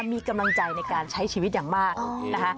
มีกำลังใจในการใช้ชีวิตอย่างมากนะคะ